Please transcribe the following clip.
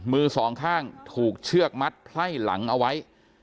มือสองข้างถูกเชือกมัดไพ่หลังเอาไว้